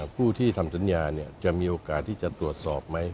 ผู้ที่ทำสัญญาจะมีโอกาสที่จะตรวจสอบไหม